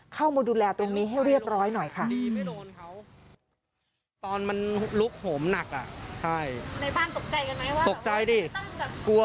เข้ามาดูแลตรงนี้ให้เรียบร้อยหน่อยค่ะ